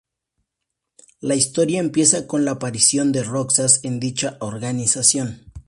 La historia empieza con la aparición de Roxas en dicha organización.